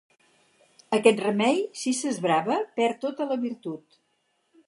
Aquest remei, si s'esbrava, perd tota la virtut.